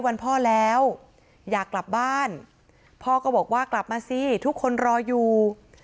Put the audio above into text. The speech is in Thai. วันพ่อแล้วอยากกลับบ้านพ่อก็บอกว่ากลับมาสิทุกคนรออยู่